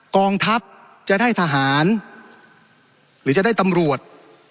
กองทัพจะได้ทหารหรือจะได้ตำรวจ